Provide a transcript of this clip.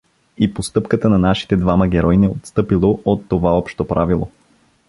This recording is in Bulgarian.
И постъпката на нашите двама герои не отстъпила от това общо правило.